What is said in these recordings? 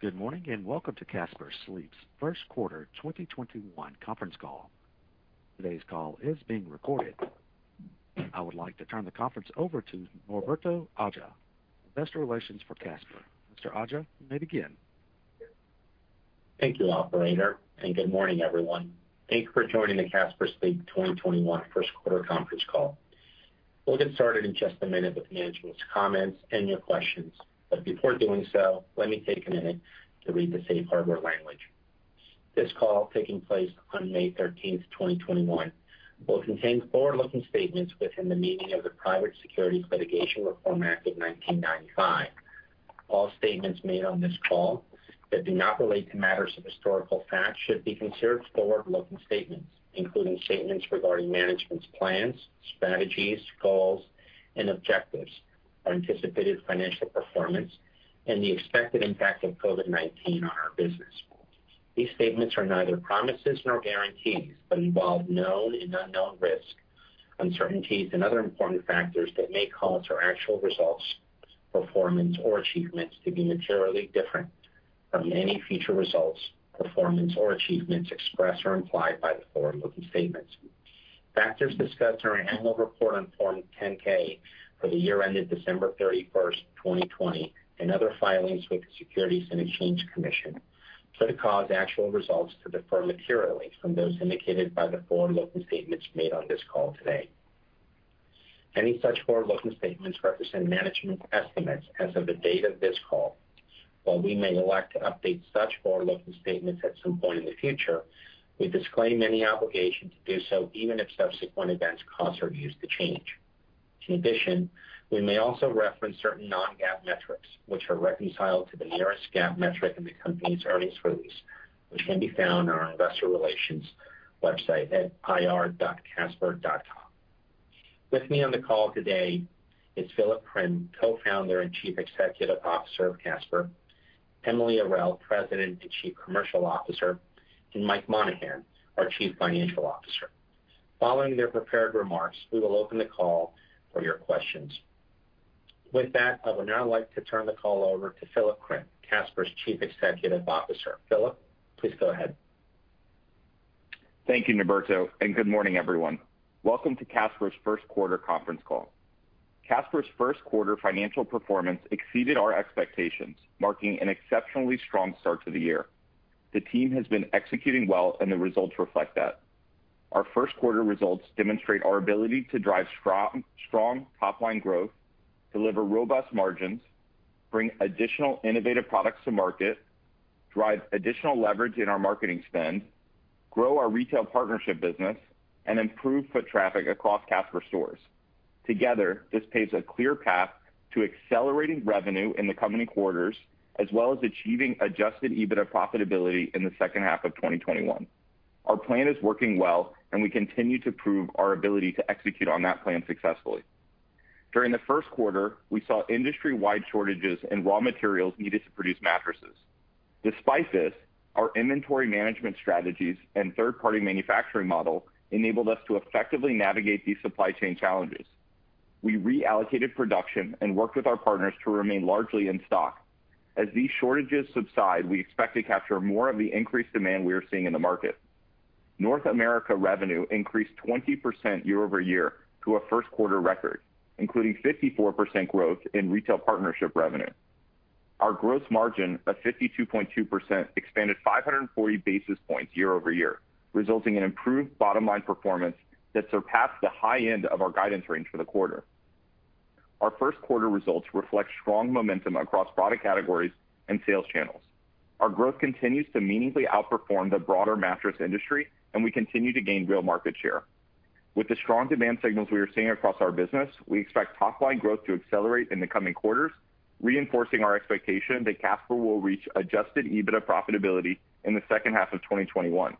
Good morning, and welcome to Casper Sleep's first quarter 2021 conference call. Today's call is being recorded. I would like to turn the conference over to Norberto Aja, Investor Relations for Casper. Mr. Aja, you may begin. Thank you, operator, and good morning, everyone. Thanks for joining the Casper Sleep 2021 first quarter conference call. We'll get started in just one minute with management's comments and your questions, but before doing so, let me take one minute to read the safe harbor language. This call, taking place on May 13th, 2021, will contain forward-looking statements within the meaning of the Private Securities Litigation Reform Act of 1995. All statements made on this call that do not relate to matters of historical fact should be considered forward-looking statements, including statements regarding management's plans, strategies, goals, and objectives, our anticipated financial performance, and the expected impact of COVID-19 on our business. These statements are neither promises nor guarantees, but involve known and unknown risks, uncertainties, and other important factors that may cause our actual results, performance, or achievements to be materially different from any future results, performance, or achievements expressed or implied by the forward-looking statements. Factors discussed in our annual report on Form 10-K for the year ended December 31st, 2020, and other filings with the Securities and Exchange Commission could cause actual results to differ materially from those indicated by the forward-looking statements made on this call today. Any such forward-looking statements represent management's estimates as of the date of this call. While we may elect to update such forward-looking statements at some point in the future, we disclaim any obligation to do so, even if subsequent events cause our views to change. In addition, we may also reference certain non-GAAP metrics, which are reconciled to the nearest GAAP metric in the company's earnings release, which can be found on our investor relations website at ir.casper.com. With me on the call today is Philip Krim, Co-Founder and Chief Executive Officer of Casper, Emilie Arel, President and Chief Commercial Officer, and Mike Monahan, our Chief Financial Officer. Following their prepared remarks, we will open the call for your questions. With that, I would now like to turn the call over to Philip Krim, Casper's Chief Executive Officer. Philip, please go ahead. Thank you, Norberto. Good morning, everyone. Welcome to Casper's first quarter conference call. Casper's first quarter financial performance exceeded our expectations, marking an exceptionally strong start to the year. The team has been executing well, and the results reflect that. Our first quarter results demonstrate our ability to drive strong top-line growth, deliver robust margins, bring additional innovative products to market, drive additional leverage in our marketing spend, grow our retail partnership business, and improve foot traffic across Casper stores. Together, this paves a clear path to accelerating revenue in the coming quarters, as well as achieving adjusted EBITDA profitability in the second half of 2021. Our plan is working well, and we continue to prove our ability to execute on that plan successfully. During the first quarter, we saw industry-wide shortages in raw materials needed to produce mattresses. Despite this, our inventory management strategies and third-party manufacturing model enabled us to effectively navigate these supply chain challenges. We reallocated production and worked with our partners to remain largely in stock. As these shortages subside, we expect to capture more of the increased demand we are seeing in the market. North America revenue increased 20% year-over-year to a first quarter record, including 54% growth in retail partnership revenue. Our gross margin of 52.2% expanded 540 basis points year-over-year, resulting in improved bottom-line performance that surpassed the high end of our guidance range for the quarter. Our first quarter results reflect strong momentum across product categories and sales channels. Our growth continues to meaningfully outperform the broader mattress industry, and we continue to gain real market share. With the strong demand signals we are seeing across our business, we expect top-line growth to accelerate in the coming quarters, reinforcing our expectation that Casper will reach adjusted EBITDA profitability in the second half of 2021.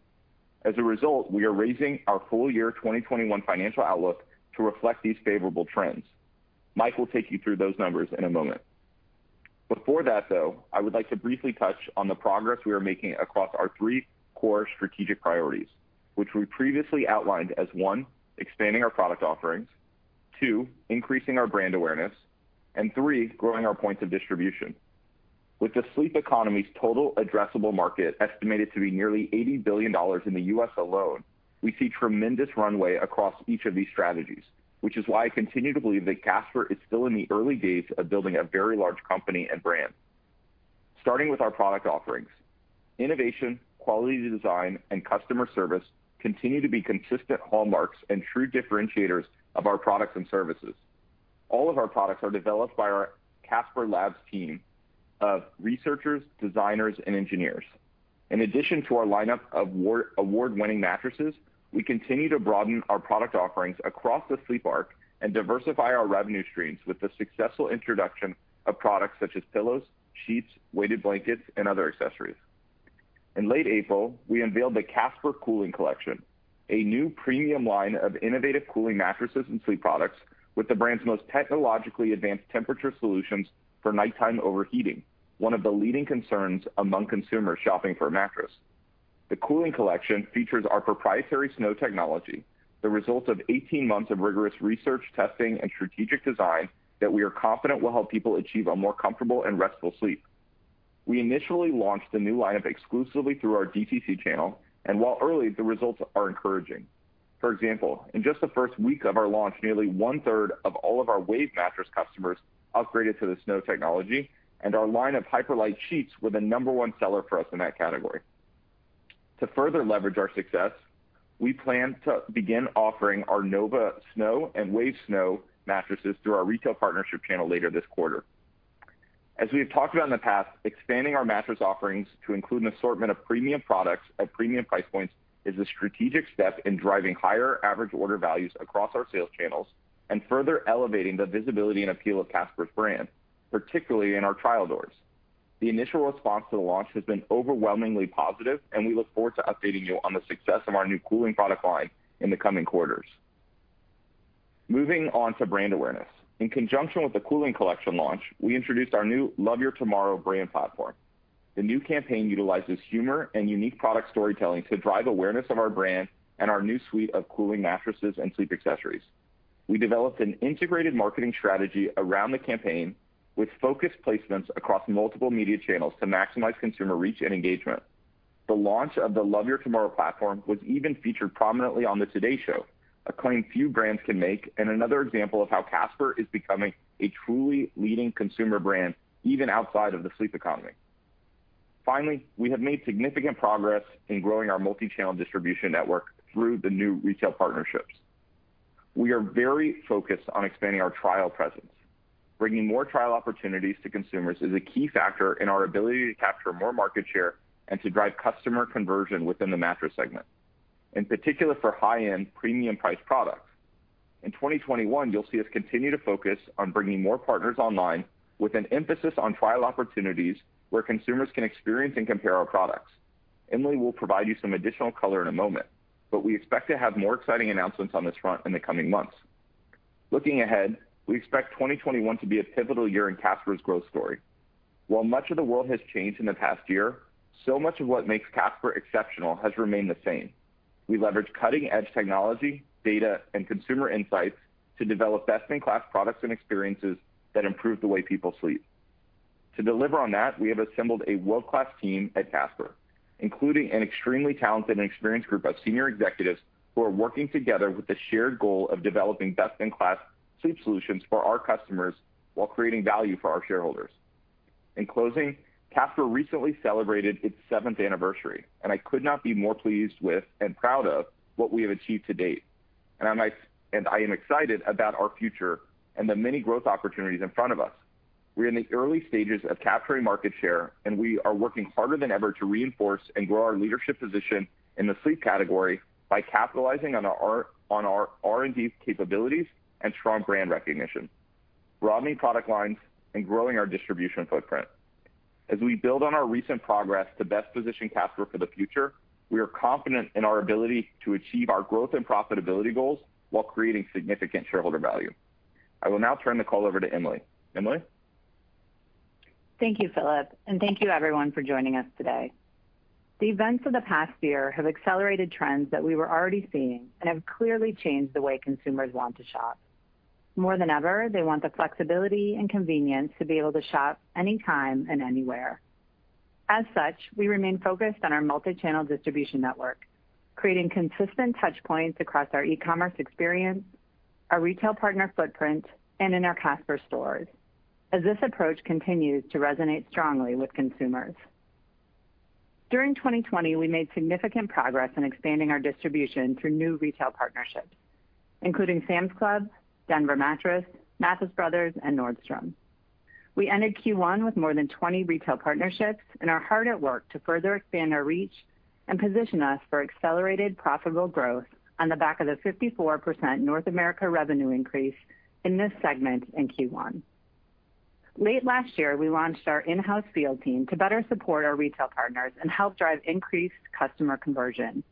As a result, we are raising our full year 2021 financial outlook to reflect these favorable trends. Mike will take you through those numbers in a moment. Before that, though, I would like to briefly touch on the progress we are making across our three core strategic priorities, which we previously outlined as, one, expanding our product offerings, two, increasing our brand awareness, and three, growing our points of distribution. With the sleep economy's total addressable market estimated to be nearly $80 billion in the U.S. alone, we see tremendous runway across each of these strategies, which is why I continue to believe that Casper is still in the early days of building a very large company and brand. Starting with our product offerings, innovation, quality design, and customer service continue to be consistent hallmarks and true differentiators of our products and services. All of our products are developed by our Casper Labs team of researchers, designers, and engineers. In addition to our lineup of award-winning mattresses, we continue to broaden our product offerings across the Sleep Arc and diversify our revenue streams with the successful introduction of products such as pillows, sheets, weighted blankets, and other accessories. In late April, we unveiled the Casper Cooling Collection, a new premium line of innovative cooling mattresses and sleep products with the brand's most technologically advanced temperature solutions for nighttime overheating, one of the leading concerns among consumers shopping for a mattress. The Casper Cooling Collection features our proprietary Snow Technology, the result of 18 months of rigorous research, testing, and strategic design that we are confident will help people achieve a more comfortable and restful sleep. We initially launched the new lineup exclusively through our DTC channel, and while early, the results are encouraging. For example, in just the first week of our launch, nearly one-third of all of our Wave mattress customers upgraded to the Snow Technology, and our line of Hyperlite Sheets were the number one seller for us in that category. To further leverage our success, we plan to begin offering our Nova Snow and Wave Snow mattresses through our retail partnership channel later this quarter. As we have talked about in the past, expanding our mattress offerings to include an assortment of premium products at premium price points is a strategic step in driving higher average order values across our sales channels and further elevating the visibility and appeal of Casper's brand, particularly in our trial doors. The initial response to the launch has been overwhelmingly positive, and we look forward to updating you on the success of our new Cooling product line in the coming quarters. Moving on to brand awareness. In conjunction with the Casper Cooling Collection launch, we introduced our new Love Your Tomorrow brand platform. The new campaign utilizes humor and unique product storytelling to drive awareness of our brand and our new suite of cooling mattresses and sleep accessories. We developed an integrated marketing strategy around the campaign with focused placements across multiple media channels to maximize consumer reach and engagement. The launch of the Love Your Tomorrow platform was even featured prominently on "The Today Show," a claim few brands can make, and another example of how Casper is becoming a truly leading consumer brand, even outside of the sleep economy. Finally, we have made significant progress in growing our multi-channel distribution network through the new retail partnerships. We are very focused on expanding our trial presence. Bringing more trial opportunities to consumers is a key factor in our ability to capture more market share and to drive customer conversion within the mattress segment. In particular, for high-end, premium-priced products. In 2021, you'll see us continue to focus on bringing more partners online with an emphasis on trial opportunities where consumers can experience and compare our products. Emilie will provide you some additional color in a moment, but we expect to have more exciting announcements on this front in the coming months. Looking ahead, we expect 2021 to be a pivotal year in Casper's growth story. While much of the world has changed in the past year, so much of what makes Casper exceptional has remained the same. We leverage cutting-edge technology, data, and consumer insights to develop best-in-class products and experiences that improve the way people sleep. To deliver on that, we have assembled a world-class team at Casper, including an extremely talented and experienced group of senior executives who are working together with the shared goal of developing best-in-class sleep solutions for our customers while creating value for our shareholders. In closing, Casper recently celebrated its seventh anniversary, and I could not be more pleased with and proud of what we have achieved to date. I am excited about our future and the many growth opportunities in front of us. We're in the early stages of capturing market share, and we are working harder than ever to reinforce and grow our leadership position in the sleep category by capitalizing on our R&D capabilities and strong brand recognition, broadening product lines, and growing our distribution footprint. As we build on our recent progress to best position Casper for the future, we are confident in our ability to achieve our growth and profitability goals while creating significant shareholder value. I will now turn the call over to Emilie. Emilie? Thank you, Philip, thank you, everyone, for joining us today. The events of the past year have accelerated trends that we were already seeing and have clearly changed the way consumers want to shop. More than ever, they want the flexibility and convenience to be able to shop anytime and anywhere. As such, we remain focused on our multi-channel distribution network, creating consistent touchpoints across our e-commerce experience, our retail partner footprint, and in our Casper stores, as this approach continues to resonate strongly with consumers. During 2020, we made significant progress in expanding our distribution through new retail partnerships, including Sam's Club, Denver Mattress, Mathis Brothers, and Nordstrom. We ended Q1 with more than 20 retail partnerships and are hard at work to further expand our reach and position us for accelerated profitable growth on the back of the 54% North America revenue increase in this segment in Q1. Late last year, we launched our in-house field team to better support our retail partners and help drive increased customer conversion.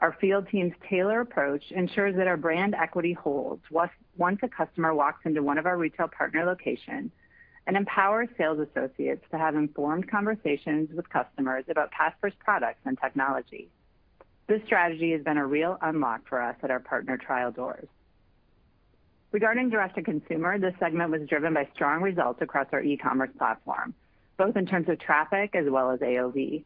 Our field team's tailored approach ensures that our brand equity holds once a customer walks into one of our retail partner locations and empowers sales associates to have informed conversations with customers about Casper's products and technology. This strategy has been a real unlock for us at our partner trial doors. Regarding direct-to-consumer, this segment was driven by strong results across our e-commerce platform, both in terms of traffic as well as AOV.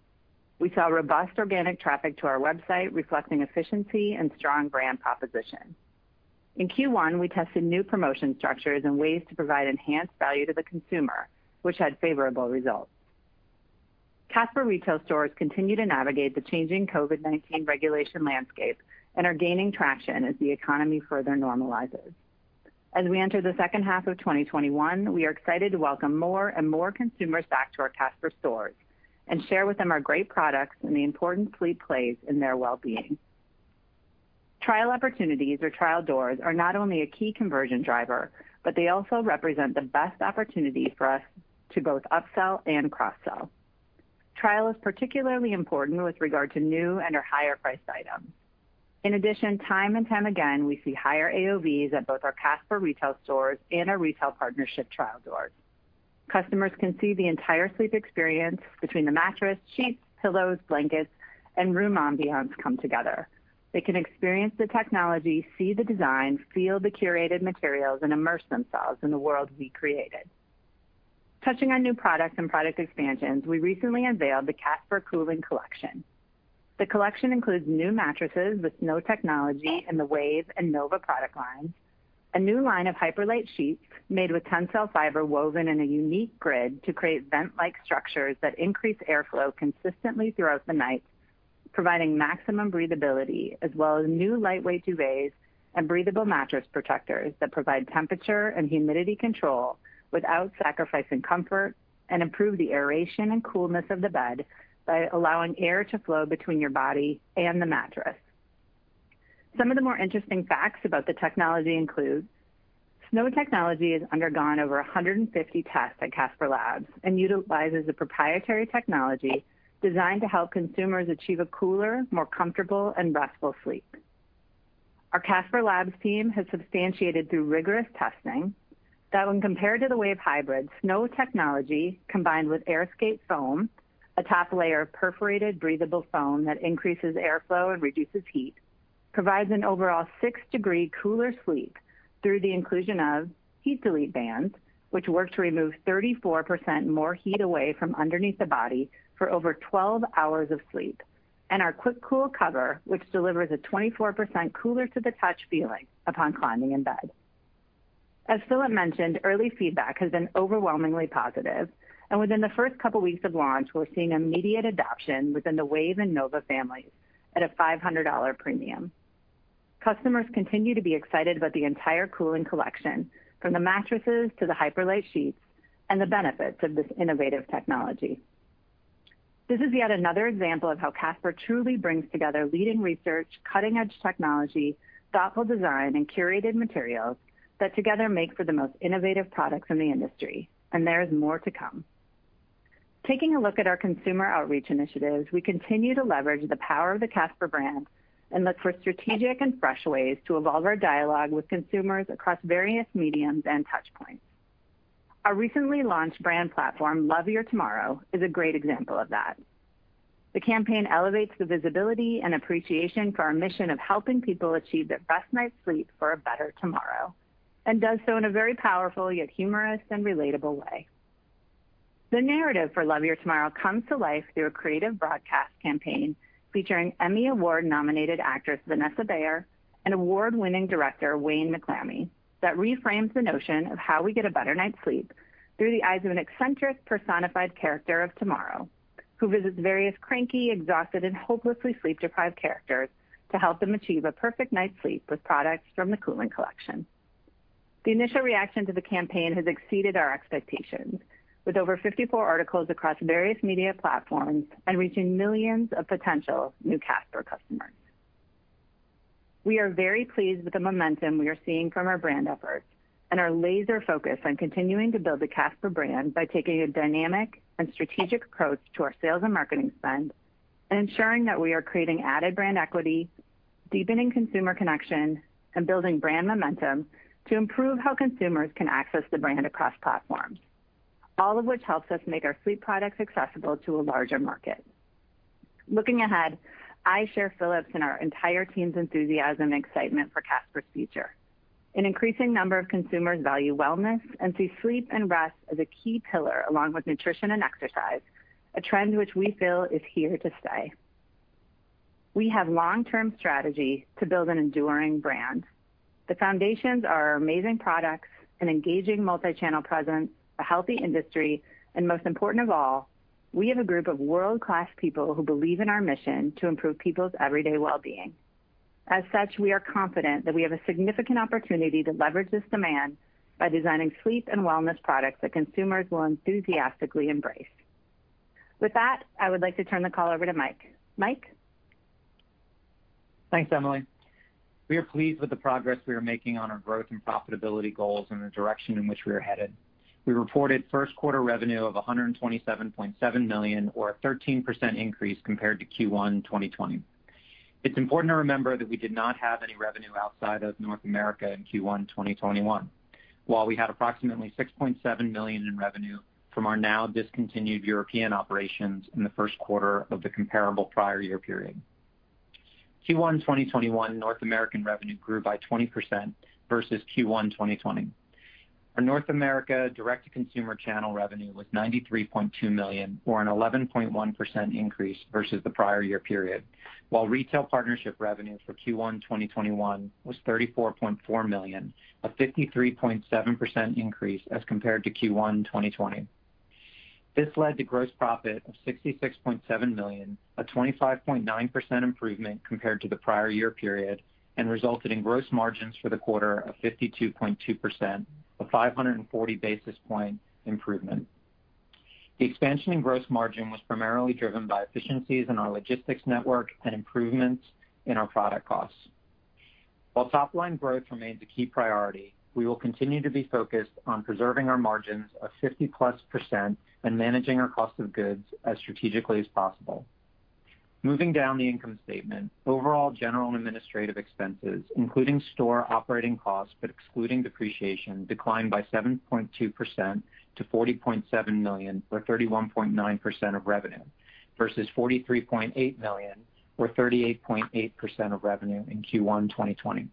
We saw robust organic traffic to our website, reflecting efficiency and strong brand proposition. In Q1, we tested new promotion structures and ways to provide enhanced value to the consumer, which had favorable results. Casper retail stores continue to navigate the changing COVID-19 regulation landscape and are gaining traction as the economy further normalizes. As we enter the second half of 2021, we are excited to welcome more and more consumers back to our Casper stores and share with them our great products and the important sleep plays in their wellbeing. Trial opportunities or trial doors are not only a key conversion driver, but they also represent the best opportunity for us to both upsell and cross-sell. Trial is particularly important with regard to new and/or higher-priced items. In addition, time and time again, we see higher AOVs at both our Casper retail stores and our retail partnership trial doors. Customers can see the entire sleep experience between the mattress, sheets, pillows, blankets, and room ambiance come together. They can experience the technology, see the design, feel the curated materials, and immerse themselves in the world we created. Touching on new products and product expansions, we recently unveiled the Casper Cooling Collection. The collection includes new mattresses with Snow Technology in the Wave and Nova product lines, a new line of Hyperlite Sheets made with Tencel fiber woven in a unique grid to create vent-like structures that increase airflow consistently throughout the night, providing maximum breathability, as well as new lightweight duvets and breathable mattress protectors that provide temperature and humidity control without sacrificing comfort, and improve the aeration and coolness of the bed by allowing air to flow between your body and the mattress. Some of the more interesting facts about the technology include Snow Technology has undergone over 150 tests at Casper Labs and utilizes a proprietary technology designed to help consumers achieve a cooler, more comfortable, and restful sleep. Our Casper Labs team has substantiated through rigorous testing that when compared to the Wave Hybrid, Snow Technology, combined with AirScape foam, a top layer of perforated breathable foam that increases airflow and reduces heat, provides an overall six-degree cooler sleep through the inclusion of HeatDelete Bands, which work to remove 34% more heat away from underneath the body for over 12 hours of sleep, and our quick cool cover, which delivers a 24% cooler to the touch feeling upon climbing in bed. As Philip mentioned, early feedback has been overwhelmingly positive, and within the first couple of weeks of launch, we're seeing immediate adoption within the Wave Snow and Nova Snow families at a $500 premium. Customers continue to be excited about the entire Casper Cooling Collection, from the mattresses to the Hyperlite Sheets, and the benefits of this innovative technology. This is yet another example of how Casper truly brings together leading research, cutting-edge technology, thoughtful design, and curated materials that together make for the most innovative products in the industry, and there is more to come. Taking a look at our consumer outreach initiatives, we continue to leverage the power of the Casper brand and look for strategic and fresh ways to evolve our dialogue with consumers across various mediums and touchpoints. Our recently launched brand platform, Love Your Tomorrow, is a great example of that. The campaign elevates the visibility and appreciation for our mission of helping people achieve their best night's sleep for a better tomorrow, and does so in a very powerful, yet humorous and relatable way. The narrative for Love Your Tomorrow comes to life through a creative broadcast campaign featuring Emmy Award-nominated actress Vanessa Bayer and award-winning director Wayne McClammy, that reframes the notion of how we get a better night's sleep through the eyes of an eccentric, personified character of Love Your Tomorrow, who visits various cranky, exhausted, and hopelessly sleep-deprived characters to help them achieve a perfect night's sleep with products from the Casper Cooling Collection. The initial reaction to the campaign has exceeded our expectations, with over 54 articles across various media platforms and reaching millions of potential new Casper customers. We are very pleased with the momentum we are seeing from our brand efforts and are laser-focused on continuing to build the Casper brand by taking a dynamic and strategic approach to our sales and marketing spend and ensuring that we are creating added brand equity, deepening consumer connection, and building brand momentum to improve how consumers can access the brand across platforms. All of which helps us make our sleep products accessible to a larger market. Looking ahead, I share Philip's and our entire team's enthusiasm and excitement for Casper's future. An increasing number of consumers value wellness and see sleep and rest as a key pillar, along with nutrition and exercise, a trend which we feel is here to stay. We have long-term strategy to build an enduring brand. The foundations are our amazing products, an engaging multi-channel presence, a healthy industry, and most important of all, we have a group of world-class people who believe in our mission to improve people's everyday wellbeing. As such, we are confident that we have a significant opportunity to leverage this demand by designing sleep and wellness products that consumers will enthusiastically embrace. With that, I would like to turn the call over to Mike. Mike? Thanks, Emilie. We are pleased with the progress we are making on our growth and profitability goals and the direction in which we are headed. We reported first quarter revenue of $127.7 million, or a 13% increase compared to Q1 2020. It's important to remember that we did not have any revenue outside of North America in Q1 2021. We had approximately $6.7 million in revenue from our now-discontinued European operations in the first quarter of the comparable prior year period. Q1 2021 North American revenue grew by 20% versus Q1 2020. Our North America direct-to-consumer channel revenue was $93.2 million, or an 11.1% increase versus the prior year period. Retail partnership revenues for Q1 2021 was $34.4 million, a 53.7% increase as compared to Q1 2020. This led to gross profit of $66.7 million, a 25.9% improvement compared to the prior year period, and resulted in gross margins for the quarter of 52.2%, a 540-basis-point improvement. The expansion in gross margin was primarily driven by efficiencies in our logistics network and improvements in our product costs. While top-line growth remains a key priority, we will continue to be focused on preserving our margins of 50%+ and managing our cost of goods as strategically as possible. Moving down the income statement, overall general administrative expenses, including store operating costs, but excluding depreciation, declined by 7.2% to $40.7 million, or 31.9% of revenue, versus $43.8 million, or 38.8% of revenue in Q1 2020.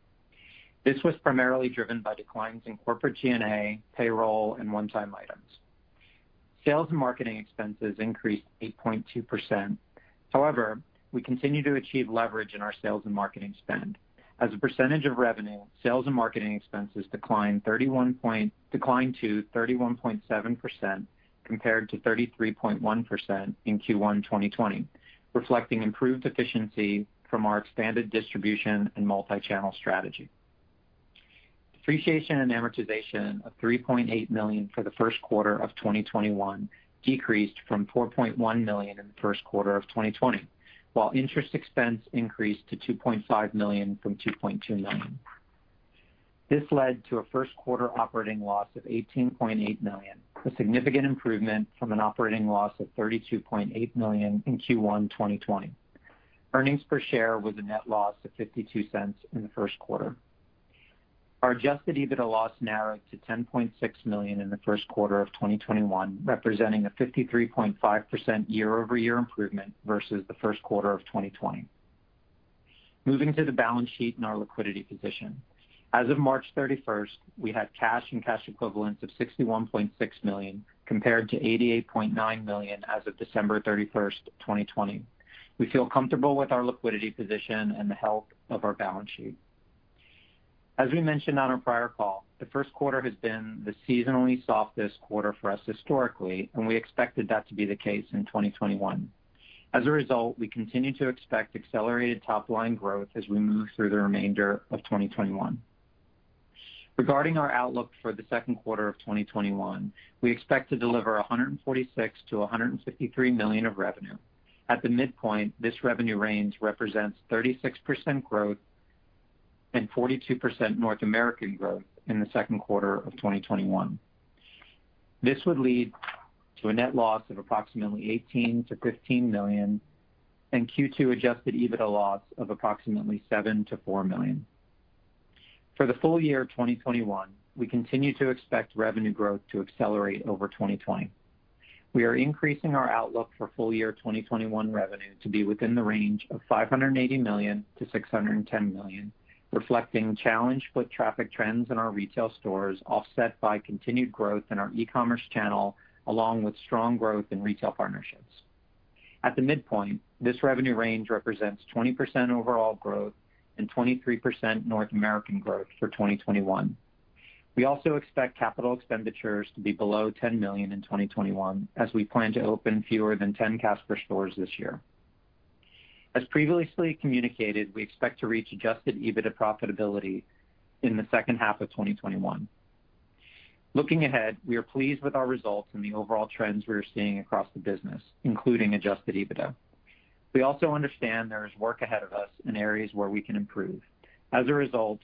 This was primarily driven by declines in corporate G&A, payroll, and one-time items. Sales and marketing expenses increased 8.2%. We continue to achieve leverage in our sales and marketing spend. As a percentage of revenue, sales and marketing expenses declined to 31.7%, compared to 33.1% in Q1 2020, reflecting improved efficiency from our expanded distribution and multi-channel strategy. Depreciation and amortization of $3.8 million for the first quarter of 2021 decreased from $4.1 million in the first quarter of 2020, while interest expense increased to $2.5 million from $2.2 million. This led to a first quarter operating loss of $18.8 million, a significant improvement from an operating loss of $32.8 million in Q1 2020. Earnings per share was a net loss of $0.52 in the first quarter. Our adjusted EBITDA loss narrowed to $10.6 million in the first quarter of 2021, representing a 53.5% year-over-year improvement versus the first quarter of 2020. Moving to the balance sheet and our liquidity position. As of March 31st, we had cash and cash equivalents of $61.6 million, compared to $88.9 million as of December 31st, 2020. We feel comfortable with our liquidity position and the health of our balance sheet. As we mentioned on our prior call, the first quarter has been the seasonally softest quarter for us historically, we expected that to be the case in 2021. As a result, we continue to expect accelerated top-line growth as we move through the remainder of 2021. Regarding our outlook for the second quarter of 2021, we expect to deliver $146 million-$153 million of revenue. At the midpoint, this revenue range represents 36% growth and 42% North American growth in the second quarter of 2021. This would lead to a net loss of approximately $18 million-$15 million and Q2 adjusted EBITDA loss of approximately $7 million-$4 million. For the full year 2021, we continue to expect revenue growth to accelerate over 2020. We are increasing our outlook for full-year 2021 revenue to be within the range of $580 million-$610 million, reflecting challenged foot traffic trends in our retail stores, offset by continued growth in our e-commerce channel, along with strong growth in retail partnerships. At the midpoint, this revenue range represents 20% overall growth and 23% North American growth for 2021. We also expect capital expenditures to be below $10 million in 2021, as we plan to open fewer than 10 Casper stores this year. As previously communicated, we expect to reach adjusted EBITDA profitability in the second half of 2021. Looking ahead, we are pleased with our results and the overall trends we are seeing across the business, including adjusted EBITDA. We also understand there is work ahead of us in areas where we can improve. As a result,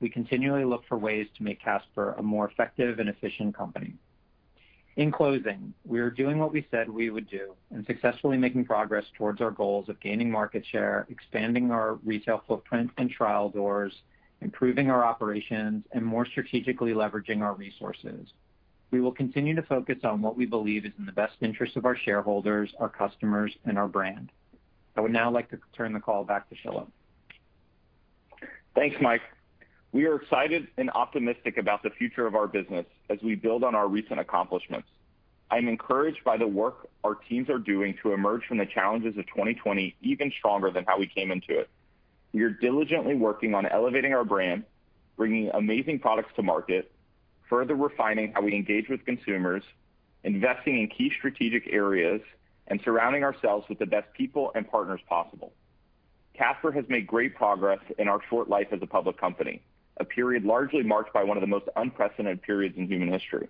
we continually look for ways to make Casper a more effective and efficient company. In closing, we are doing what we said we would do and successfully making progress towards our goals of gaining market share, expanding our retail footprint and trial doors, improving our operations, and more strategically leveraging our resources. We will continue to focus on what we believe is in the best interest of our shareholders, our customers, and our brand. I would now like to turn the call back to Philip. Thanks, Mike. We are excited and optimistic about the future of our business as we build on our recent accomplishments. I'm encouraged by the work our teams are doing to emerge from the challenges of 2020 even stronger than how we came into it. We are diligently working on elevating our brand, bringing amazing products to market, further refining how we engage with consumers, investing in key strategic areas, and surrounding ourselves with the best people and partners possible. Casper has made great progress in our short life as a public company, a period largely marked by one of the most unprecedented periods in human history.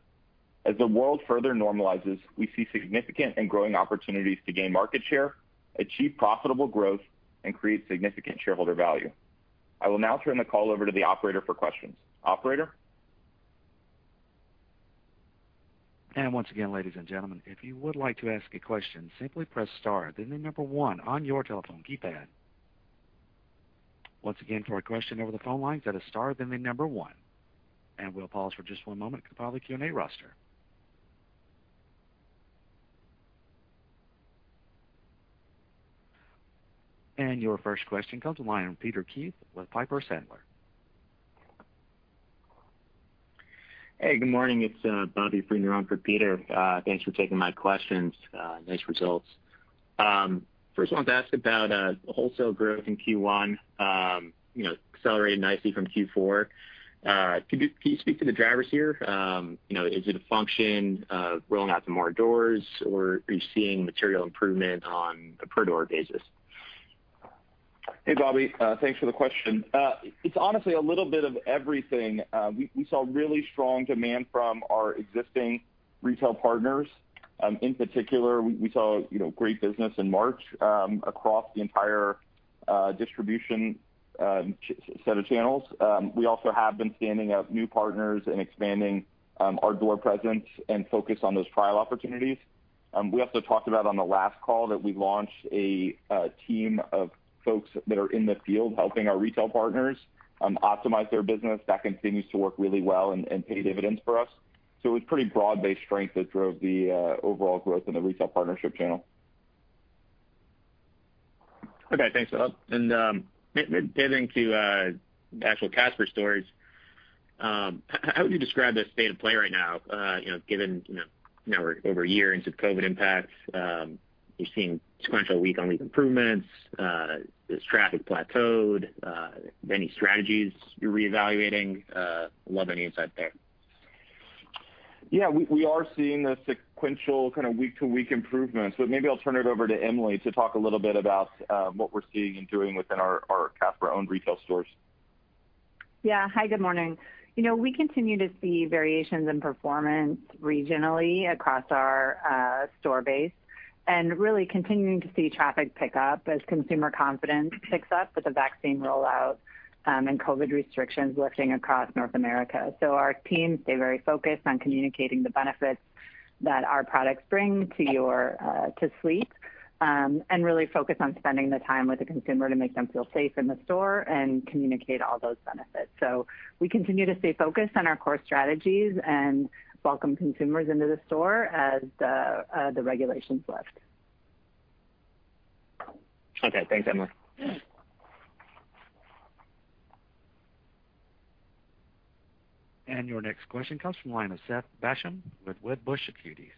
As the world further normalizes, we see significant and growing opportunities to gain market share, achieve profitable growth, and create significant shareholder value. I will now turn the call over to the operator for questions. Operator? Once again, ladies and gentlemen, if you would like to ask a question, simply press star, then the number one on your telephone keypad. Once again, for a question over the phone lines, that is star, then the number one. We'll pause for just one moment to compile a Q&A roster. Your first question comes from the line of Peter Keith with Piper Sandler. Hey, good morning. It's Bobby Brier on for Peter Keith. Thanks for taking my questions. Nice results. First, wanted to ask about wholesale growth in Q1. Accelerated nicely from Q4. Could you speak to the drivers here? Is it a function of rolling out to more doors, or are you seeing material improvement on a per door basis? Hey, Bobby. Thanks for the question. It's honestly a little bit of everything. We saw really strong demand from our existing retail partners. In particular, we saw great business in March across the entire distribution set of channels. We also have been standing up new partners and expanding our door presence and focus on those trial opportunities. We also talked about on the last call that we launched a team of folks that are in the field helping our retail partners optimize their business. That continues to work really well and pay dividends for us. It was pretty broad-based strength that drove the overall growth in the retail partnership channel. Okay. Thanks, Philip. Pivoting to the actual Casper stores, how would you describe the state of play right now, given now we're over one year into COVID impacts, you're seeing sequential week-on-week improvements, is traffic plateaued? Any strategies you're reevaluating? Love any insight there. Yeah, we are seeing the sequential kind of week-to-week improvements, but maybe I'll turn it over to Emilie to talk a little bit about what we're seeing and doing within our Casper-owned retail stores. Yeah. Hi, good morning. We continue to see variations in performance regionally across our store base and really continuing to see traffic pick up as consumer confidence picks up with the vaccine rollout and COVID-19 restrictions lifting across North America. Our teams stay very focused on communicating the benefits that our products bring to sleep, and really focus on spending the time with the consumer to make them feel safe in the store and communicate all those benefits. We continue to stay focused on our core strategies and welcome consumers into the store as the regulations lift. Okay. Thanks, Emilie. Your next question comes from the line of Seth Basham with Wedbush Securities.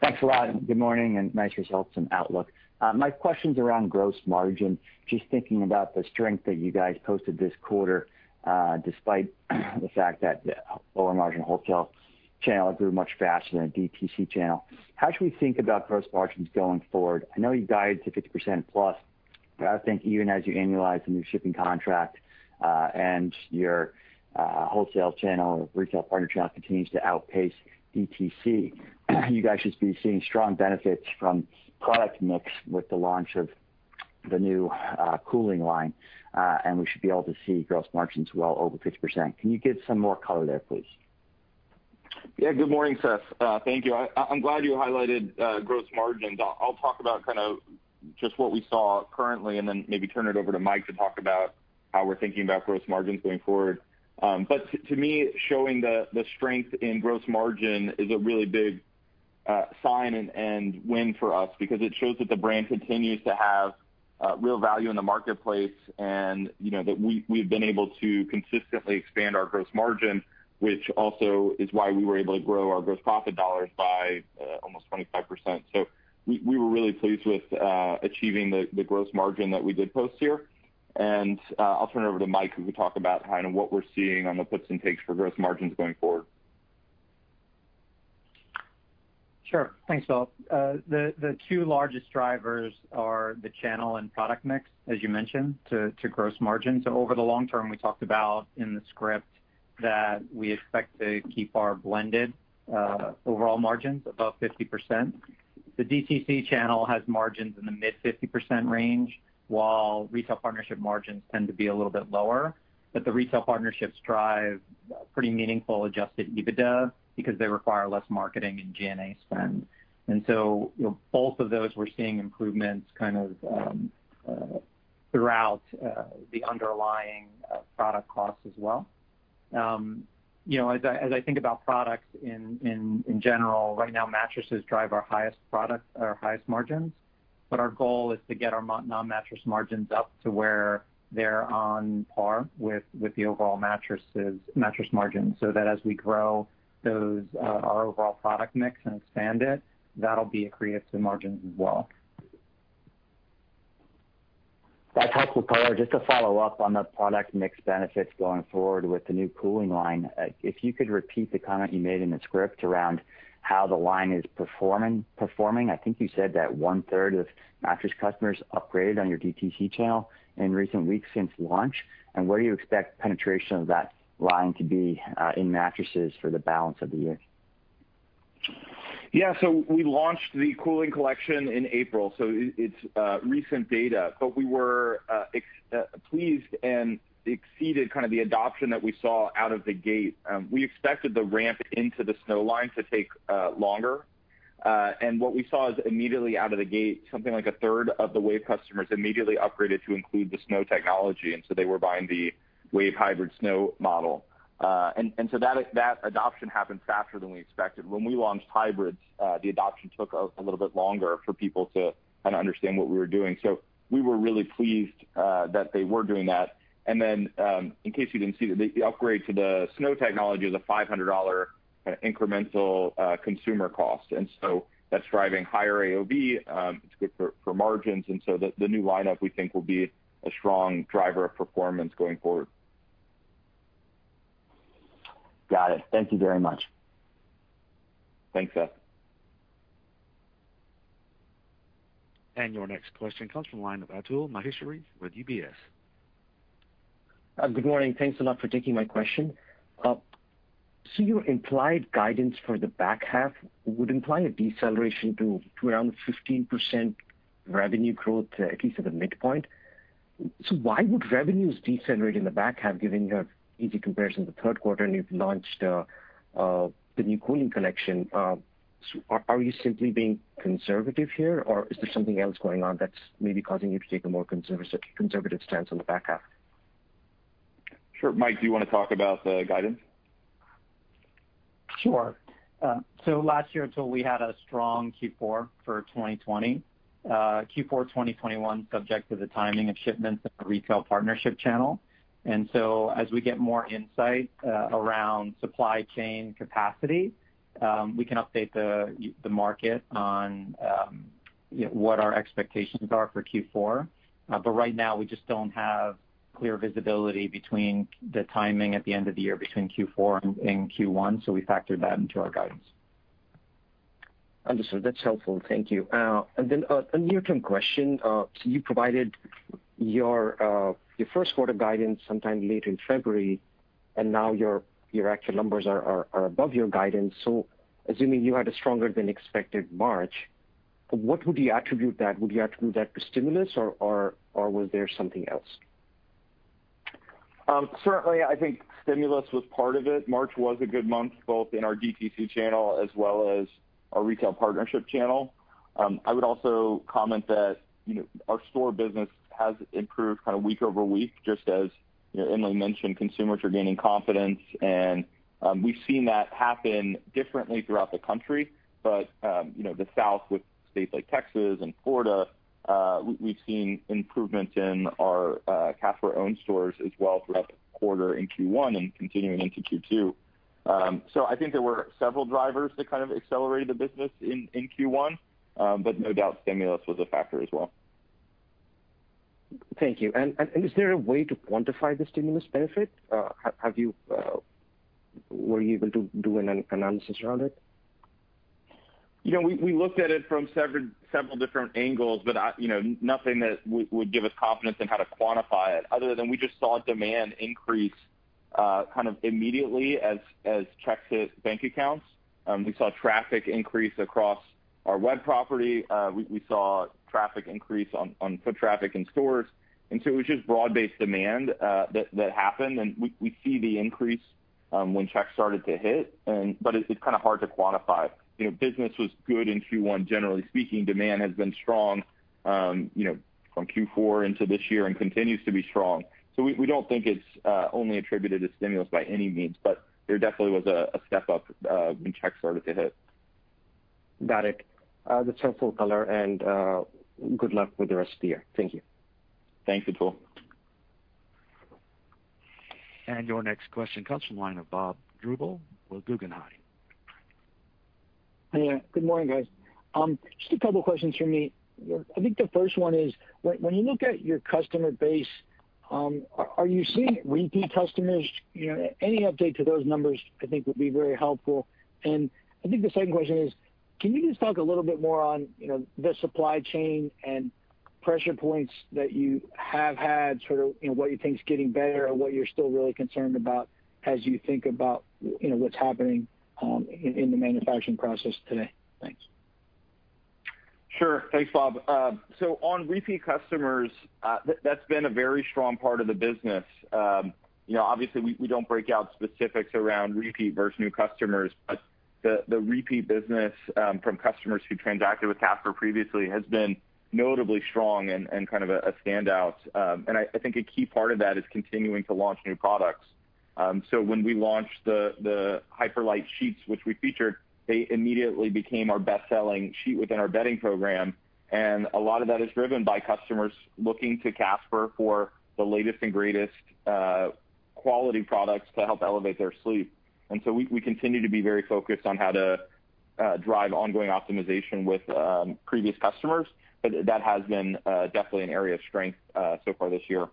Thanks a lot, and good morning, and nice results and outlook. My question's around gross margin, just thinking about the strength that you guys posted this quarter, despite the fact that the lower-margin wholesale channel grew much faster than the DTC channel. How should we think about gross margins going forward? I know you guided to 50%+, but I would think even as you annualize the new shipping contract and your wholesale channel, retail partner channel continues to outpace DTC, you guys should be seeing strong benefits from product mix with the launch of the new Cooling line, and we should be able to see gross margins well over 50%. Can you give some more color there, please? Good morning, Seth. Thank you. I'm glad you highlighted gross margin. I'll talk about kind of just what we saw currently and then maybe turn it over to Mike to talk about how we're thinking about gross margins going forward. To me, showing the strength in gross margin is a really big sign and win for us because it shows that the brand continues to have real value in the marketplace and that we've been able to consistently expand our gross margin, which also is why we were able to grow our gross profit dollars by almost 25%. We were really pleased with achieving the gross margin that we did post here. I'll turn it over to Mike, who can talk about kind of what we're seeing on the puts and takes for gross margins going forward. Sure. Thanks, Philip. The two largest drivers are the channel and product mix, as you mentioned, to gross margin. Over the long term, we talked about in the script that we expect to keep our blended overall margins above 50%. The DTC channel has margins in the mid-50% range, while retail partnership margins tend to be a little bit lower, but the retail partnerships drive pretty meaningful adjusted EBITDA because they require less marketing and G&A spend. Both of those, we're seeing improvements kind of throughout the underlying product costs as well. As I think about products in general, right now, mattresses drive our highest margins, but our goal is to get our non-mattress margins up to where they're on par with the overall mattress margin, so that as we grow our overall product mix and expand it, that'll be accretive to the margin as well. That's helpful color. Just to follow-up on the product mix benefits going forward with the new Cooling line, if you could repeat the comment you made in the script around how the line is performing. I think you said that one-third of mattress customers upgraded on your DTC channel in recent weeks since launch. Where do you expect penetration of that line to be in mattresses for the balance of the year? We launched the Casper Cooling Collection in April, so it's recent data. We were pleased and exceeded kind of the adoption that we saw out of the gate. We expected the ramp into the Snow line to take longer. What we saw is immediately out of the gate, something like a third of the Wave Snow customers immediately upgraded to include the Snow Technology, they were buying the Wave Hybrid Snow model. That adoption happened faster than we expected. When we launched Hybrids, the adoption took a little bit longer for people to kind of understand what we were doing. We were really pleased that they were doing that. In case you didn't see, the upgrade to the Snow Technology is a $500 kind of incremental consumer cost, that's driving higher AOV. It's good for margins. The new lineup, we think, will be a strong driver of performance going forward. Got it. Thank you very much. Thanks, Seth. Your next question comes from the line of Atul Maheshwari with UBS. Good morning. Thanks a lot for taking my question. Your implied guidance for the back half would imply a deceleration to around 15% revenue growth, at least at the midpoint. Why would revenues decelerate in the back half given your easy comparison to the third quarter, and you've launched the new Casper Cooling Collection? Are you simply being conservative here, or is there something else going on that's maybe causing you to take a more conservative stance on the back half? Sure. Mike, do you want to talk about the guidance? Sure. Last year, Atul, we had a strong Q4 for 2020. Q4 2021 subject to the timing of shipments at the retail partnership channel. As we get more insight around supply chain capacity, we can update the market on what our expectations are for Q4. Right now, we just don't have clear visibility between the timing at the end of the year between Q4 and Q1, we factored that into our guidance. Understood. That's helpful. Thank you. A near-term question. You provided your first quarter guidance sometime late in February, and now your actual numbers are above your guidance. Assuming you had a stronger than expected March, what would you attribute that? Would you attribute that to stimulus or was there something else? Certainly, I think stimulus was part of it. March was a good month, both in our DTC channel as well as our retail partnership channel. I would also comment that our store business has improved week over week, just as Emilie mentioned, consumers are gaining confidence, and we've seen that happen differently throughout the country. The South with states like Texas and Florida, we've seen improvements in our Casper-owned stores as well throughout the quarter in Q1 and continuing into Q2. So I think there were several drivers that kind of accelerated the business in Q1. No doubt, stimulus was a factor as well. Thank you. Is there a way to quantify the stimulus benefit? Were you able to do an analysis around it? We looked at it from several different angles, but nothing that would give us confidence in how to quantify it other than we just saw demand increase immediately as checks hit bank accounts. We saw traffic increase across our web property. We saw traffic increase on foot traffic in stores. It was just broad-based demand that happened, and we see the increase when checks started to hit, but it's kind of hard to quantify. Business was good in Q1. Generally speaking, demand has been strong from Q4 into this year and continues to be strong. We don't think it's only attributed to stimulus by any means, but there definitely was a step up when checks started to hit. Got it. That's helpful color. Good luck with the rest of the year. Thank you. Thanks, Atul. Your next question comes from the line of Bob Drbul with Guggenheim. Good morning, guys. Just a couple questions from me. I think the first one is, when you look at your customer base, are you seeing repeat customers? Any update to those numbers I think would be very helpful. I think the second question is, can you just talk a little bit more on the supply chain and pressure points that you have had, what you think is getting better, and what you're still really concerned about as you think about what's happening in the manufacturing process today? Thanks. Sure. Thanks, Bob. On repeat customers, that's been a very strong part of the business. Obviously we don't break out specifics around repeat versus new customers, the repeat business from customers who transacted with Casper previously has been notably strong and kind of a standout. I think a key part of that is continuing to launch new products. When we launched the Hyperlite Sheets, which we featured, they immediately became our best-selling sheet within our bedding program, a lot of that is driven by customers looking to Casper for the latest and greatest quality products to help elevate their sleep. We continue to be very focused on how to drive ongoing optimization with previous customers, that has been definitely an area of strength so far this year.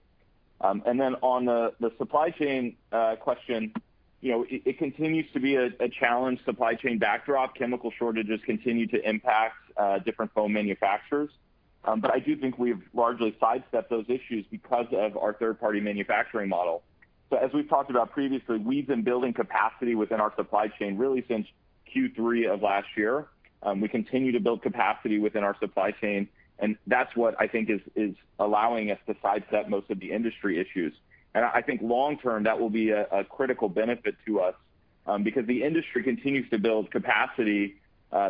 Then on the supply chain question, it continues to be a challenged supply chain backdrop. Chemical shortages continue to impact different foam manufacturers. I do think we've largely sidestepped those issues because of our third-party manufacturing model. As we've talked about previously, we've been building capacity within our supply chain really since Q3 of last year. We continue to build capacity within our supply chain, and that's what I think is allowing us to sidestep most of the industry issues. I think long term, that will be a critical benefit to us, because the industry continues to build capacity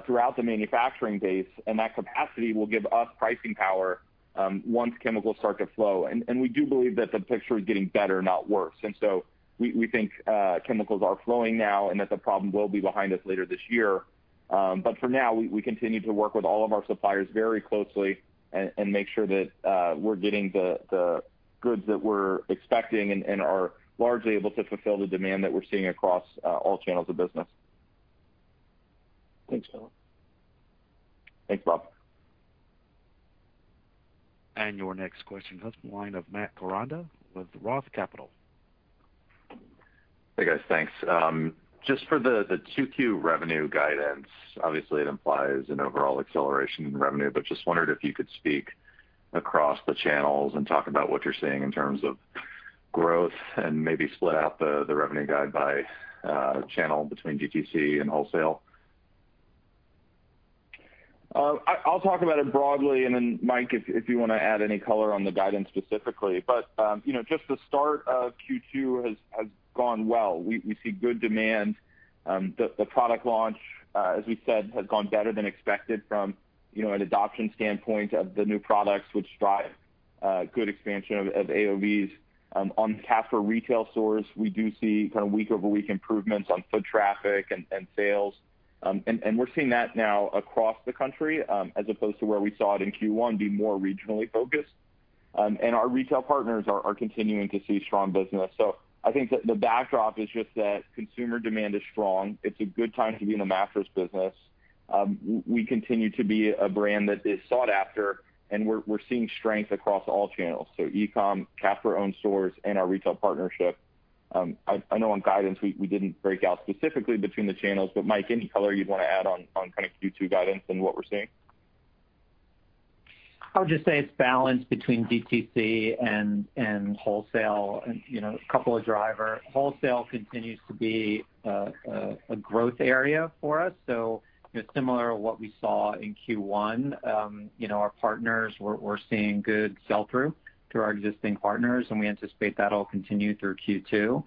throughout the manufacturing base, and that capacity will give us pricing power once chemicals start to flow. We do believe that the picture is getting better, not worse. We think chemicals are flowing now and that the problem will be behind us later this year. For now, we continue to work with all of our suppliers very closely and make sure that we're getting the goods that we're expecting and are largely able to fulfill the demand that we're seeing across all channels of business. Thanks, Philip. Thanks, Bob. Your next question comes from the line of Matt Koranda with ROTH Capital. Hey guys, thanks. Just for the 2Q revenue guidance, obviously, it implies an overall acceleration in revenue. Just wondered if you could speak across the channels and talk about what you're seeing in terms of growth and maybe split out the revenue guide by channel between DTC and wholesale? I'll talk about it broadly, and then Mike, if you want to add any color on the guidance specifically. Just the start of Q2 has gone well. We see good demand. The product launch, as we said, has gone better than expected from an adoption standpoint of the new products, which drive good expansion of AOVs. On Casper retail stores, we do see week-over-week improvements on foot traffic and sales. We're seeing that now across the country, as opposed to where we saw it in Q1, be more regionally focused. Our retail partners are continuing to see strong business. I think that the backdrop is just that consumer demand is strong. It's a good time to be in the mattress business. We continue to be a brand that is sought after, and we're seeing strength across all channels. E-com, Casper-owned stores, and our retail partnership. I know on guidance, we didn't break out specifically between the channels, but Mike, any color you'd want to add on kind of Q2 guidance and what we're seeing? I would just say it's balanced between DTC and wholesale, and a couple of drivers. Wholesale continues to be a growth area for us. Similar to what we saw in Q1. Our partners, we're seeing good sell-through to our existing partners, and we anticipate that'll continue through Q2.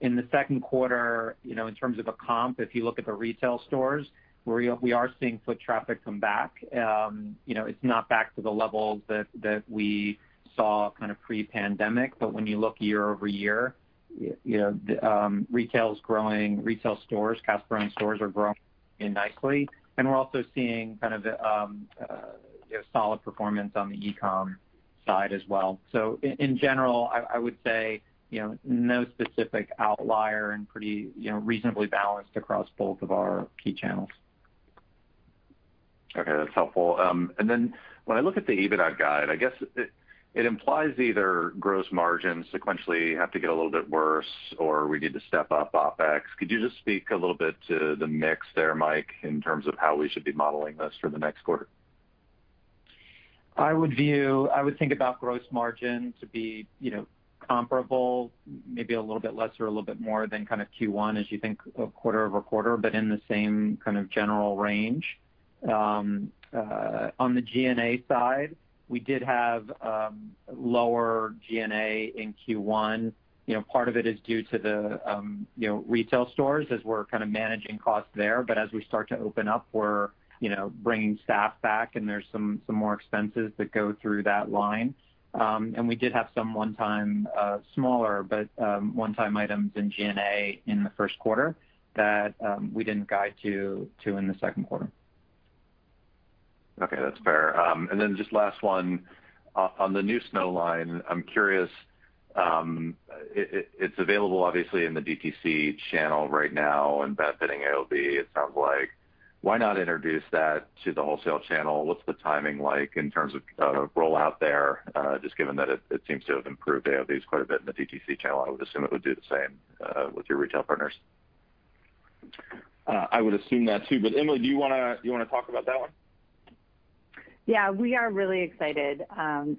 In the second quarter, in terms of a comp, if you look at the retail stores, we are seeing foot traffic come back. It's not back to the levels that we saw kind of pre-pandemic, but when you look year-over-year, retail is growing, Casper-owned stores are growing nicely. We're also seeing kind of solid performance on the e-com side as well. In general, I would say, no specific outlier and pretty reasonably balanced across both of our key channels. Okay. That's helpful. When I look at the EBITDA guide, I guess it implies either gross margins sequentially have to get a little bit worse, or we need to step up OpEx. Could you just speak a little bit to the mix there, Mike, in terms of how we should be modeling this for the next quarter? I would think about gross margin to be comparable, maybe a little bit less or a little bit more than kind of Q1 as you think of quarter-over-quarter, but in the same kind of general range. On the G&A side, we did have lower G&A in Q1. Part of it is due to the retail stores as we're kind of managing costs there. As we start to open up, we're bringing staff back, and there's some more expenses that go through that line. We did have some one-time, smaller, but one-time items in G&A in the first quarter that we didn't guide to in the second quarter. Okay. That's fair. Just last one. On the new Snow line, I'm curious. It's available obviously in the DTC channel right now and benefiting AOV, it sounds like. Why not introduce that to the wholesale channel? What's the timing like in terms of rollout there? Just given that it seems to have improved AOVs quite a bit in the DTC channel. I would assume it would do the same with your retail partners. I would assume that, too. Emilie, do you want to talk about that one? Yeah. We are really excited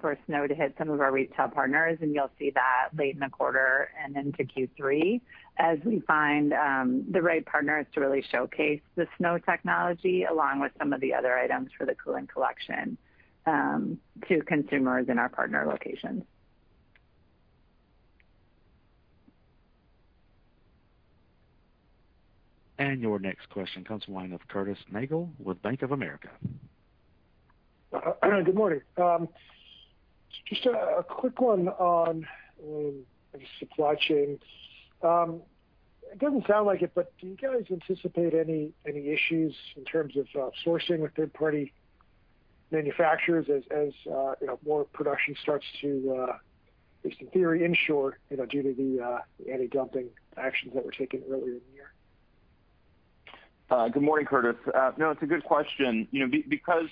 for Snow to hit some of our retail partners, and you'll see that late in the quarter and into Q3, as we find the right partners to really showcase the Snow Technology, along with some of the other items for the Casper Cooling Collection to consumers in our partner locations. Your next question comes from the line of Curtis Nagle with Bank of America. Good morning. Just a quick one on the supply chain. It doesn't sound like it, but do you guys anticipate any issues in terms of sourcing with third-party manufacturers as more production starts to, at least in theory, inshore due to the anti-dumping actions that were taken earlier in the year? Good morning, Curtis. No, it's a good question. Because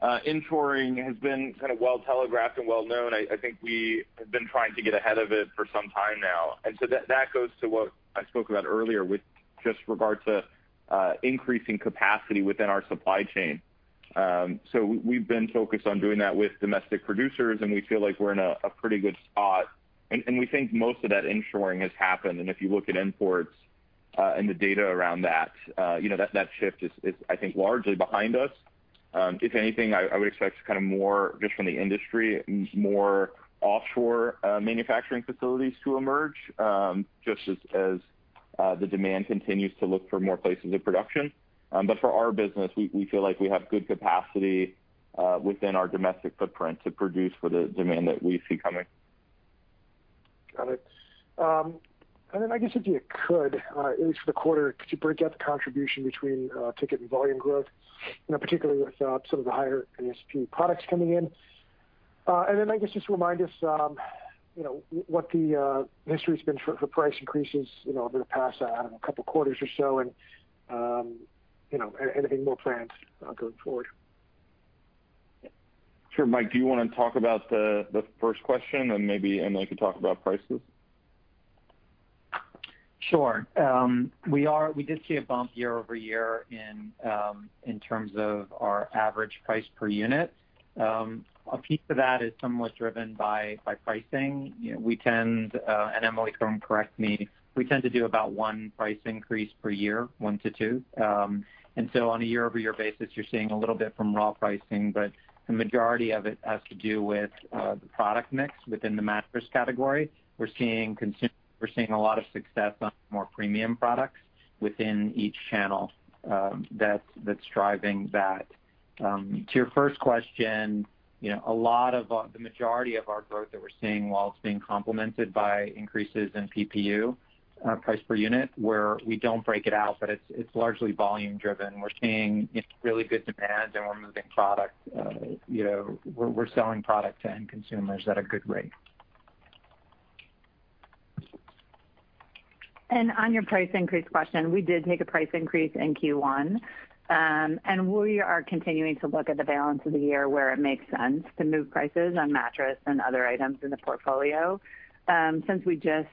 the inshoring has been kind of well telegraphed and well known, I think we have been trying to get ahead of it for some time now. That goes to what I spoke about earlier with just regard to increasing capacity within our supply chain. We've been focused on doing that with domestic producers, and we feel like we're in a pretty good spot, and we think most of that inshoring has happened. If you look at imports, and the data around that shift is, I think, largely behind us. If anything, I would expect kind of more, just from the industry, more offshore manufacturing facilities to emerge, just as the demand continues to look for more places of production. For our business, we feel like we have good capacity within our domestic footprint to produce for the demand that we see coming. Got it. I guess if you could, at least for the quarter, could you break out the contribution between ticket and volume growth, particularly with some of the higher ASP products coming in? I guess just remind us what the history's been for price increases over the past, I don't know, couple quarters or so, and anything more planned going forward? Sure. Mike, do you want to talk about the first question and maybe Emilie can talk about prices? Sure. We did see a bump year-over-year in terms of our average price per unit. A piece of that is somewhat driven by pricing. We tend, and Emilie can correct me, to do about one price increase per year, one to two. On a year-over-year basis, you're seeing a little bit from raw pricing, but the majority of it has to do with the product mix within the mattress category. We're seeing a lot of success on more premium products within each channel, that's driving that. To your first question, a lot of the majority of our growth that we're seeing, while it's being complemented by increases in PPU, price per unit, where we don't break it out, it's largely volume driven. We're seeing really good demand. We're moving product. We're selling product to end consumers at a good rate. On your price increase question, we did take a price increase in Q1. We are continuing to look at the balance of the year where it makes sense to move prices on mattress and other items in the portfolio. Since we just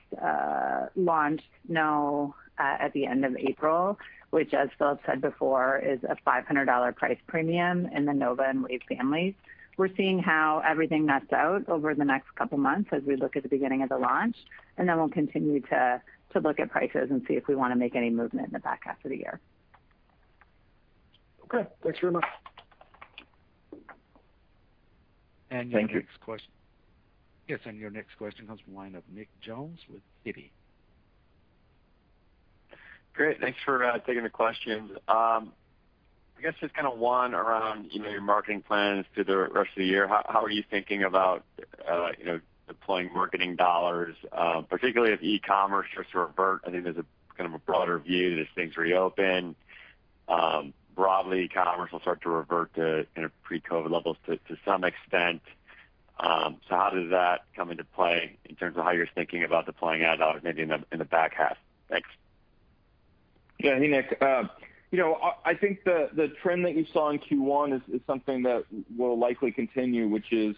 launched Snow at the end of April, which, as Philip said before, is a $500 price premium in the Nova Snow and Wave Snow families. We're seeing how everything nets out over the next couple months as we look at the beginning of the launch, and then we'll continue to look at prices and see if we want to make any movement in the back half of the year. Okay. Thanks very much. Thank you. Yes, your next question comes from the line of Nick Jones with Citi. Great. Thanks for taking the questions. I guess just kind of one around your marketing plans through the rest of the year. How are you thinking about deploying marketing dollars, particularly if e-commerce starts to revert? I think there's a kind of a broader view that as things reopen, broadly e-commerce will start to revert to pre-COVID levels to some extent. How does that come into play in terms of how you're thinking about deploying ad dollars maybe in the back half? Thanks. Yeah. Hey, Nick. I think the trend that you saw in Q1 is something that will likely continue, which is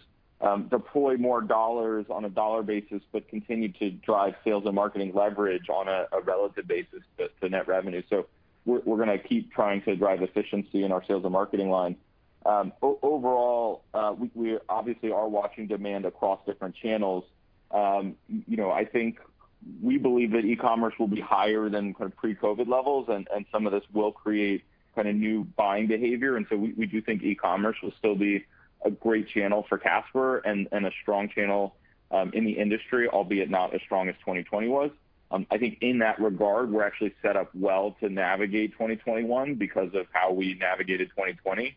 deploy more dollars on a dollar basis, but continue to drive sales and marketing leverage on a relative basis to net revenue. We're going to keep trying to drive efficiency in our sales and marketing line. Overall, we obviously are watching demand across different channels. I think we believe that e-commerce will be higher than kind of pre-COVID levels, and some of this will create kind of new buying behavior. We do think e-commerce will still be a great channel for Casper and a strong channel, in the industry, albeit not as strong as 2020 was. I think in that regard, we're actually set up well to navigate 2021 because of how we navigated 2020.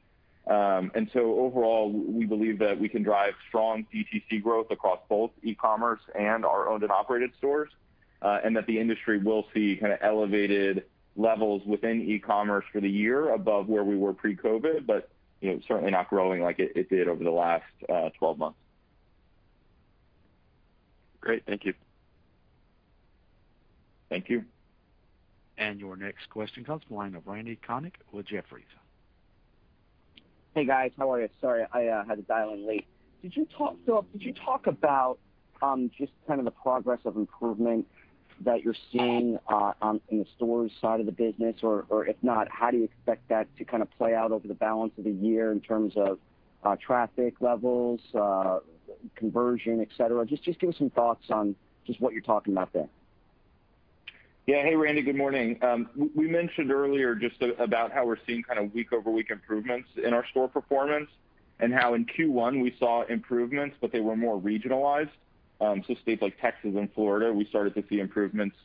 Overall, we believe that we can drive strong DTC growth across both e-commerce and our owned and operated stores, and that the industry will see kind of elevated levels within e-commerce for the year above where we were pre-COVID, but certainly not growing like it did over the last 12 months. Great. Thank you. Thank you. Your next question comes from the line of Randy Konik with Jefferies. Hey, guys. How are you? Sorry, I had to dial in late. Philip, did you talk about just kind of the progress of improvement that you're seeing in the stores side of the business? Or, if not, how do you expect that to kind of play out over the balance of the year in terms of traffic levels, conversion, et cetera? Just give some thoughts on just what you're talking about there. Hey, Randy. Good morning. We mentioned earlier just about how we're seeing kind of week-over-week improvements in our store performance, and how in Q1 we saw improvements, but they were more regionalized. States like Texas and Florida, we started to see improvements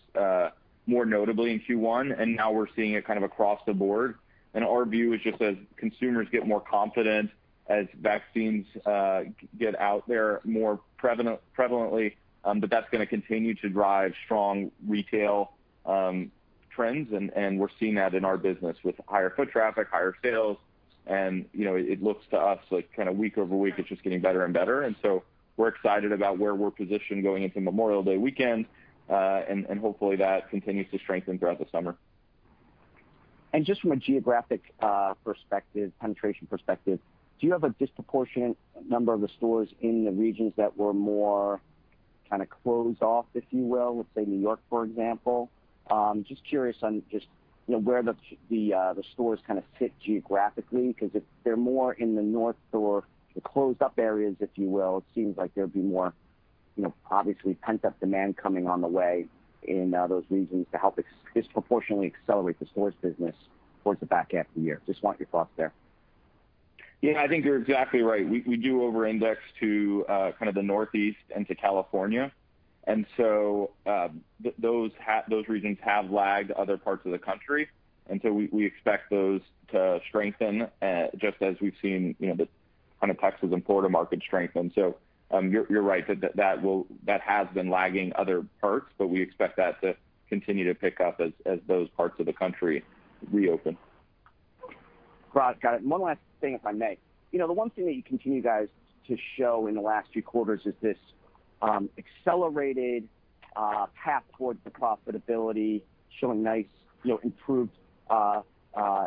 more notably in Q1. Now we're seeing it kind of across the board. Our view is just as consumers get more confident, as vaccines get out there more prevalently, that's going to continue to drive strong retail trends. We're seeing that in our business with higher foot traffic, higher sales, and it looks to us like kind of week-over-week, it's just getting better and better. We're excited about where we're positioned going into Memorial Day weekend. Hopefully that continues to strengthen throughout the summer. Just from a geographic perspective, penetration perspective, do you have a disproportionate number of the stores in the regions that were more kind of closed off, if you will, let's say New York, for example? Just curious on just where the stores kind of fit geographically, because if they're more in the north or the closed up areas, if you will, it seems like there'd be more obviously pent-up demand coming on the way in those regions to help disproportionately accelerate the stores business towards the back half of the year? Just want your thoughts there. Yeah, I think you're exactly right. We do over-index to kind of the Northeast and to California. Those regions have lagged other parts of the country, and so we expect those to strengthen, just as we've seen the kind of Texas and Florida market strengthen. You're right, that has been lagging other parts, but we expect that to continue to pick up as those parts of the country reopen. Right. Got it. One last thing, if I may. The one thing that you continue, guys, to show in the last few quarters is accelerated path towards profitability, showing nice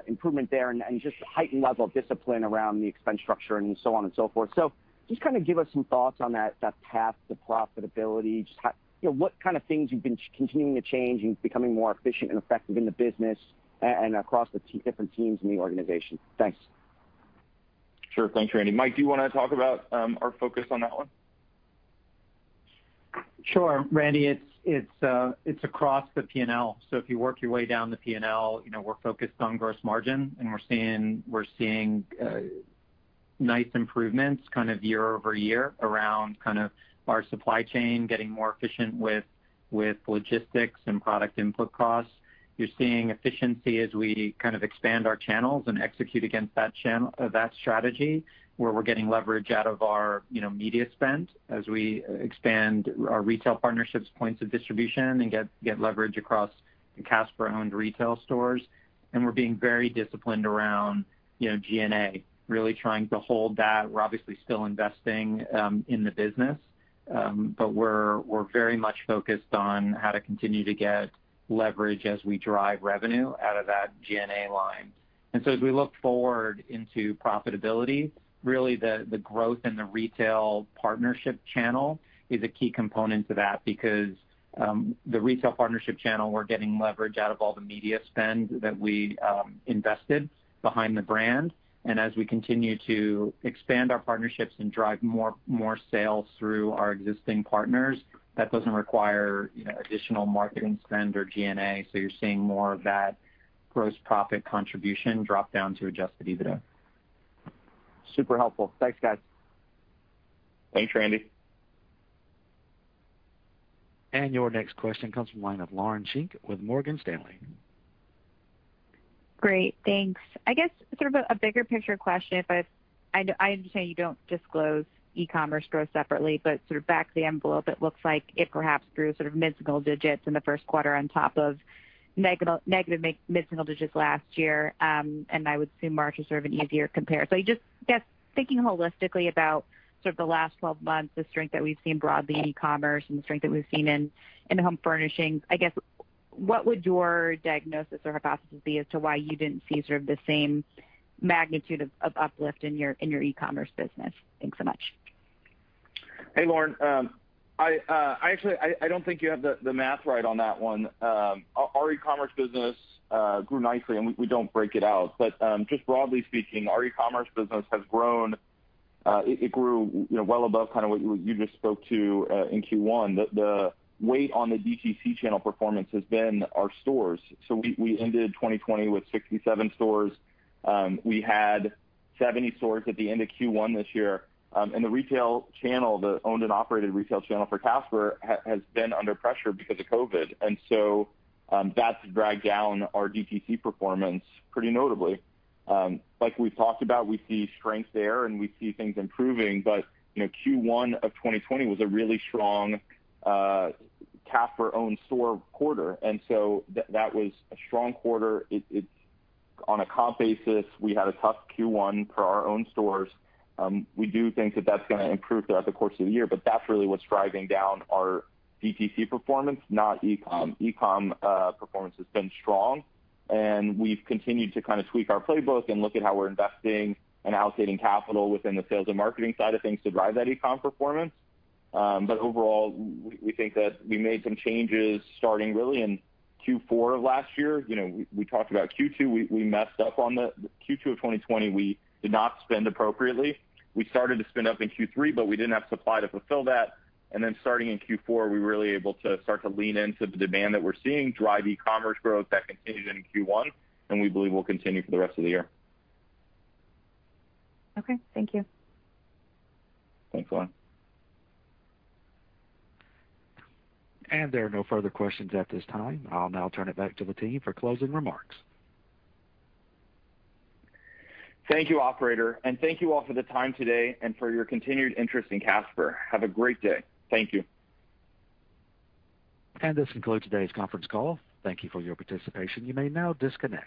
improvement there, and just heightened level of discipline around the expense structure and so on and so forth. Just give us some thoughts on that path to profitability. Just what kind of things you've been continuing to change and becoming more efficient and effective in the business and across the different teams in the organization? Thanks. Sure. Thanks, Randy. Mike, do you want to talk about our focus on that one? Sure. Randy, it's across the P&L. If you work your way down the P&L, we're focused on gross margin, and we're seeing nice improvements kind of year-over-year around our supply chain getting more efficient with logistics and product input costs. You're seeing efficiency as we expand our channels and execute against that strategy, where we're getting leverage out of our media spend as we expand our retail partnerships points of distribution and get leverage across Casper-owned retail stores. We're being very disciplined around G&A, really trying to hold that. We're obviously still investing in the business. We're very much focused on how to continue to get leverage as we drive revenue out of that G&A line. As we look forward into profitability, really the growth in the retail partnership channel is a key component to that because the retail partnership channel, we're getting leverage out of all the media spend that we invested behind the brand. As we continue to expand our partnerships and drive more sales through our existing partners, that doesn't require additional marketing spend or G&A, so you're seeing more of that gross profit contribution drop down to adjusted EBITDA. Super helpful. Thanks, guys. Thanks, Randy. Your next question comes from the line of Lauren Schenk with Morgan Stanley. Great, thanks. I guess sort of a bigger picture question, but I understand you don't disclose e-commerce growth separately, but sort of back of the envelope, it looks like it perhaps grew sort of mid-single digits in the first quarter on top of negative mid-single digits last year. I would assume March is sort of an easier compare. I guess, thinking holistically about sort of the last 12 months, the strength that we've seen broadly in e-commerce and the strength that we've seen in home furnishings, I guess, what would your diagnosis or hypothesis be as to why you didn't see sort of the same magnitude of uplift in your e-commerce business? Thanks so much. Hey, Lauren. Actually, I don't think you have the math right on that one. Our e-commerce business grew nicely. We don't break it out. Just broadly speaking, our e-commerce business has grown. It grew well above kind of what you just spoke to in Q1. The weight on the DTC channel performance has been our stores. We ended 2020 with 67 stores. We had 70 stores at the end of Q1 this year. The retail channel, the owned and operated retail channel for Casper, has been under pressure because of COVID-19. That's dragged down our DTC performance pretty notably. Like we've talked about, we see strength there, and we see things improving, but Q1 of 2020 was a really strong Casper-owned store quarter. That was a strong quarter. On a comp basis, we had a tough Q1 for our own stores. We do think that that's going to improve throughout the course of the year, but that's really what's driving down our DTC performance, not e-com. E-com performance has been strong. We've continued to kind of tweak our playbook and look at how we're investing and allocating capital within the sales and marketing side of things to drive that e-com performance. Overall, we think that we made some changes starting really in Q4 of last year. We talked about Q2, we messed up on the Q2 of 2020. We did not spend appropriately. We started to spend up in Q3, but we didn't have supply to fulfill that. Starting in Q4, we were really able to start to lean into the demand that we're seeing drive e-commerce growth that continued into Q1, and we believe will continue for the rest of the year. Okay. Thank you. Thanks, Lauren. There are no further questions at this time. I'll now turn it back to the team for closing remarks. Thank you, operator, and thank you all for the time today and for your continued interest in Casper. Have a great day. Thank you. This concludes today's conference call. Thank you for your participation. You may now disconnect.